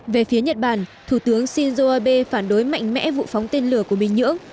về phía nhật bản thủ tướng shinzo abe phản đối mạnh mẽ vụ phóng tên lửa của bình nhưỡng